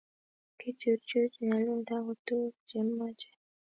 kechurchuch nyalida ko tukuk che kimoche